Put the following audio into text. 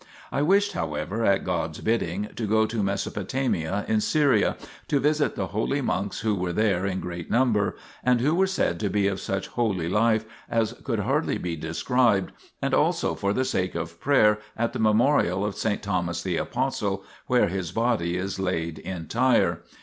I wished, however, at God's bidding, to go to Mesopotamia in Syria, to visit the holy monks who were there in great number, and who were said to be of such holy life as could hardly be described, and also for the sake of prayer at the memorial of S. Thomas the Apostle, where his body is laid entire.